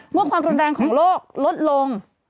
ความรุนแรงของโลกลดลง